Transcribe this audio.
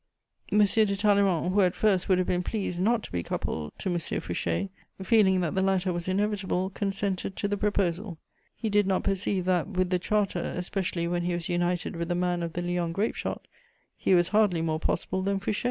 M. de Talleyrand, who at first would have been pleased not to be coupled to M. Fouché, feeling that the latter was inevitable, consented to the proposal; he did not perceive that, with the Charter (especially when he was united with the man of the Lyons grape shot), he was hardly more possible than Fouché.